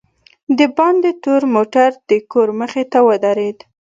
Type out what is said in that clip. دباندې تور موټر دکور مخې ته ودرېد.